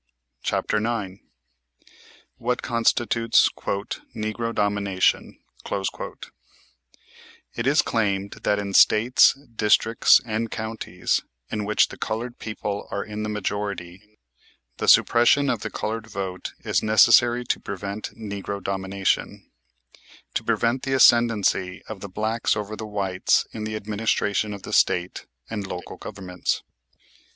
CHAPTER IX WHAT CONSTITUTES "NEGRO DOMINATION" It is claimed that in States, districts, and counties, in which the colored people are in the majority, the suppression of the colored vote is necessary to prevent "Negro Domination," to prevent the ascendency of the blacks over the whites in the administration of the State and local governments.